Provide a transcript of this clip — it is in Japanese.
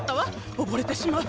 おぼれてしまう。